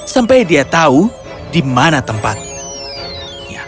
sampai dia tahu di mana tempatnya